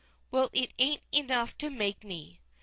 _ Well, ain't it enough to make me?